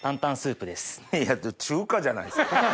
中華じゃないですか。